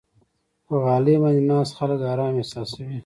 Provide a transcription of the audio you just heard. په غالۍ باندې ناست خلک آرام احساسوي.